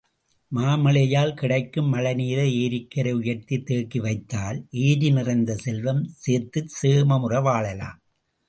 மாமழையால் கிடைக்கும் மழை நீரை ஏரிக்கரை உயர்த்தி தேக்கி வைத்தால் ஏரி நிறைந்த செல்வம் சேர்த்துச் சேமமுற வாழலாம்!